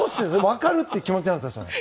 わかるって気持ちなんですか？